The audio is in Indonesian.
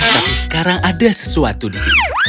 tapi sekarang ada sesuatu di sini